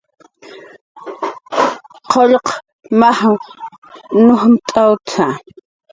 "Qullq maj nujmt'awt""a"